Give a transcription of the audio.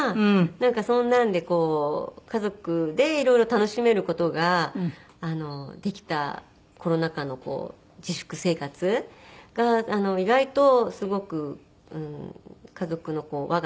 なんかそんなんでこう家族で色々楽しめる事ができたコロナ禍の自粛生活が意外とすごく家族の輪が絆が深まったというか。